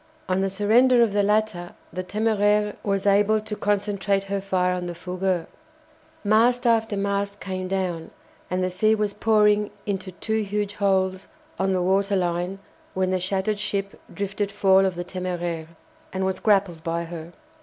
On the surrender of the latter the "Téméraire" was able to concentrate her fire on the "Fougueux." Mast after mast came down, and the sea was pouring into two huge holes on the water line when the shattered ship drifted foul of the "Téméraire," and was grappled by her.